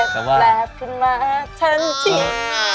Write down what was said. เจ็บแปลบขึ้นมาฉันจิ้ง